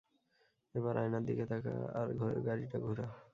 এবার আয়নার দিকে তাকা আর গাড়িটা ঘুরা।